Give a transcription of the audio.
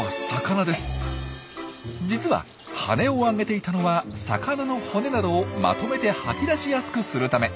実は羽根をあげていたのは魚の骨などをまとめて吐き出しやすくするため。